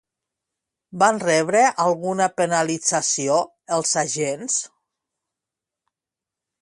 Van rebre alguna penalització els agents?